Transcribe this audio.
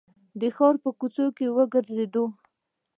د ښار په کوڅو کې وګرځېدو.